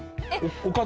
おかず？